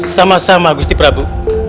sama sama gusti prabu